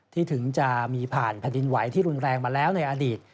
ถึงจะมีผ่านแผ่นดินไหวที่รุนแรงมาแล้วในอดีต